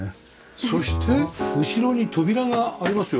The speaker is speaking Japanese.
そして後ろに扉がありますよね？